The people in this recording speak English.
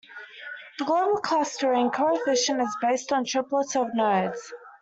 The global clustering coefficient is based on triplets of nodes.